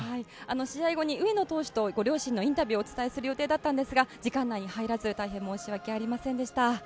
試合後に上野投手とご両親のインタビューをお伝えする予定だったんですが時間内に入らず大変申し訳ありませんでした。